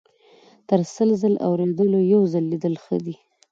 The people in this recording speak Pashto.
- تر سل ځل اوریدلو یو ځل لیدل ښه دي.